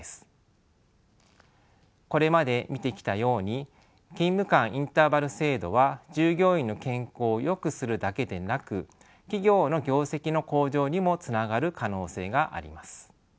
これまで見てきたように勤務間インターバル制度は従業員の健康をよくするだけでなく企業の業績の向上にもつながる可能性があります。